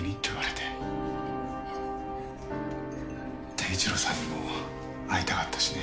貞一郎さんにも会いたかったしね。